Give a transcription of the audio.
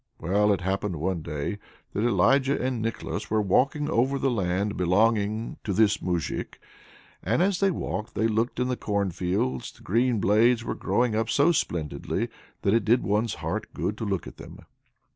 Well, it happened one day that Elijah and Nicholas were walking over the land belonging to this Moujik; and as they walked they looked in the cornfields the green blades were growing up so splendidly that it did one's heart good to look at them.